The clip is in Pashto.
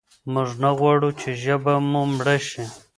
موږ نه غواړو چې ژبه مو مړه شي.